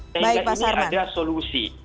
sehingga ini ada solusi